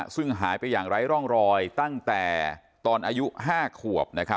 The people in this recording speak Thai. ซึ่งหายไปอย่างไร้ร่องรอยตั้งแต่ตอนอายุ๕ขวบ